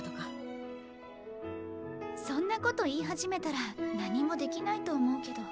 そんなこと言い始めたら何もできないと思うけど。